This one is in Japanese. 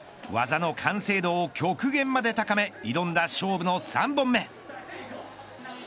技の完成度を極限まで高め挑んだ勝負の３本目。